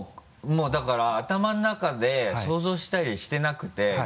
もうだから頭の中で想像したりしてなくて。